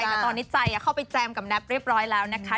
แต่ตอนนี้ใจเข้าไปแจมกับแน็บเรียบร้อยแล้วนะคะ